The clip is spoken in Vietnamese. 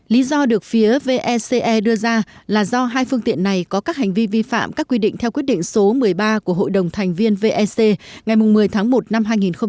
lý do được phía vec e đưa ra là do hai phương tiện này có các hành vi vi phạm các quy định theo quyết định số một mươi ba của hội đồng thành viên vec ngày một mươi tháng một năm hai nghìn một mươi bảy